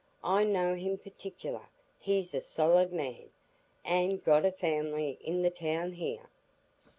I know him partic'lar; he's a solid man, an' got a family i' the town here.